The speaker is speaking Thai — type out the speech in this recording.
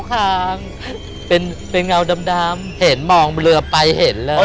เห็นเหมือนเรือไปเห็นเลย